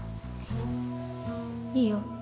いいよ